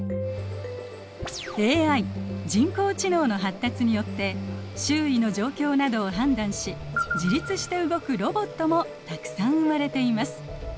ＡＩ人工知能の発達によって周囲の状況などを判断し自律して動くロボットもたくさん生まれています。